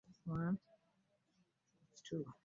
Kubanga nze ssaakisuubira kino.